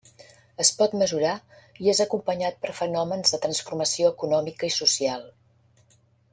Es pot mesurar i és acompanyat per fenòmens de transformació econòmica i social.